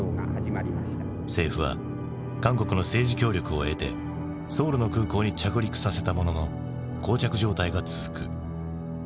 政府は韓国の政治協力を得てソウルの空港に着陸させたもののこう着状態が続く。